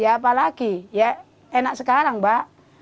ya apa lagi ya enak sekarang mbak